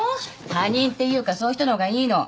他人っていうかそういう人の方がいいの。